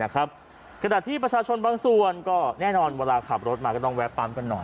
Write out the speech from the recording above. ขณะที่ประชาชนบางส่วนก็แน่นอนเวลาขับรถมาก็ต้องแวะปั๊มกันหน่อย